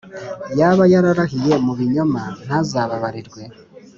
yaba yararahiye mu binyoma, ntazababarirwe;